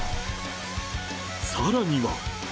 さらには。